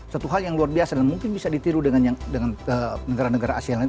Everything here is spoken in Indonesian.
satu hal yang luar biasa dan mungkin bisa ditiru dengan negara negara asia lain